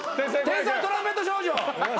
天才トランペット少女。